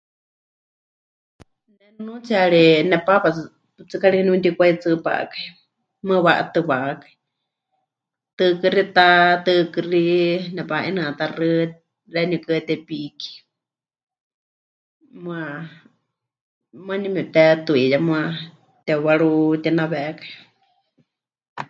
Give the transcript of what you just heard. Ne nunuutsiyari nepaapa tsɨ... tsɨ karikɨ niutikwaitsɨpakai, mɨɨkɨ pɨwa'atɨwakai, tɨɨkɨ́xi ta, tɨɨkɨ́xi nepa'inɨatáxɨ xeeníu huukɨ́a Tepiki, muuwa, muuwa nie mepɨtetuiya, muuwa tepɨwarutinawekai.